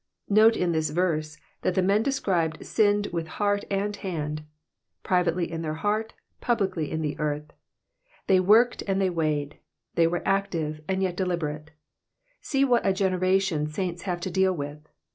Note in this verse that the men described sinned with heart and hand ; privately in their heart, publicly in the earth ; they worked and they weighed — ^they were active, and yet deliljerate. See what a generation saints have to deal with